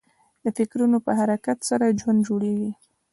د فکرو نه په حرکت سره ژوند جوړېږي.